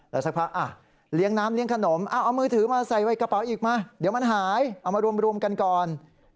แล้วสักพักเลี้ยงน้ำเลี้ยงขนมเอามือถือมาใส่ไว้กระเป๋าอีกมาเดี๋ยวมันหายเอามารวมกันก่อน